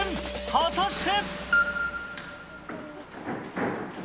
果たして。